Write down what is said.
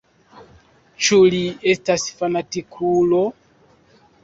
Ĉu li estas fanatikulo?